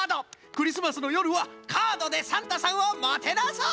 クリスマスのよるはカードでサンタさんをもてなそう！